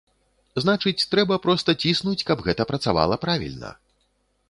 Значыць, трэба проста ціснуць, каб гэта працавала правільна.